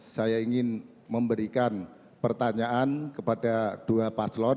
saya ingin memberikan pertanyaan kepada dua paslon